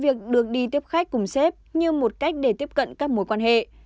việc được đi tiếp khách cùng xếp như một cách để tiếp cận các mối quan hệ